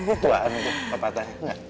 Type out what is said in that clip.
itu lah itu pepatahnya nggak